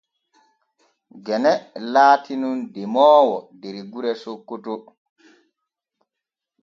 Gene laati nun demoowo der gure Sokkoto.